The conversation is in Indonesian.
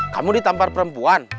kamu ditampar perempuan